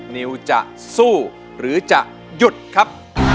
นิวจะสู้หรือจะหยุดครับ